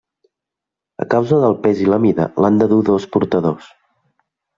A causa del pes i la mida, l'han de dur dos portadors.